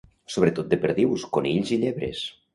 Sobretot de perdius, conills i llebres.